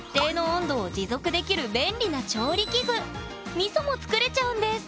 みそも作れちゃうんです！